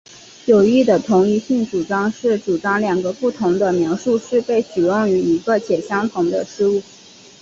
有益的同一性主张是主张两个不同的描述是被使用于一个且相同的事物。